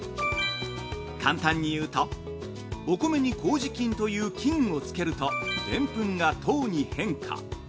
簡単にいうとお米にこうじ菌という菌をつけるとでんぷんが糖に変化。